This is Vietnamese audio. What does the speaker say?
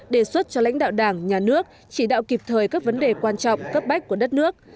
đề xuất cho lãnh đạo đảng nhà nước chỉ đạo kịp thời các vấn đề quan trọng cấp bách của đất nước